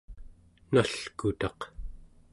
nalkutaq